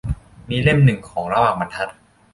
มีเล่มหนึ่งของระหว่างบรรทัด